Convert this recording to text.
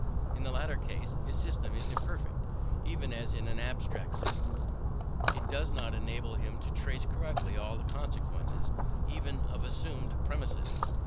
In the latter case his system is imperfect even as an abstract system; it does not enable him to trace correctly all the consequences even of assumed premises.